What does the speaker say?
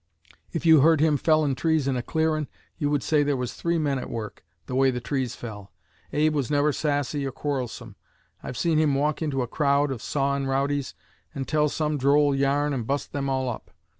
If you heard him fellin' trees in a clearin' you would say there was three men at work, the way the trees fell. Abe was never sassy or quarrelsome. I've seen him walk into a crowd of sawin' rowdies and tell some droll yarn and bust them all up.